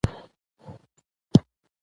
باغونه څنګه جوړ کړو؟